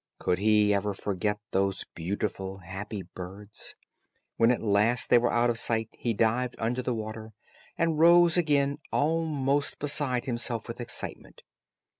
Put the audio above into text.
Could he ever forget those beautiful, happy birds; and when at last they were out of his sight, he dived under the water, and rose again almost beside himself with excitement.